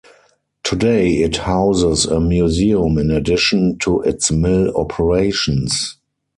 Today, it houses a museum in addition to its mill operations.